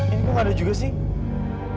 ini kok ada juga sih